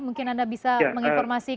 mungkin anda bisa menginformasikan